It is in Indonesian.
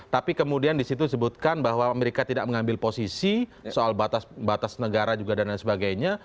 tapi kemudian disitu disebutkan bahwa amerika tidak mengambil posisi soal batas negara juga dan lain sebagainya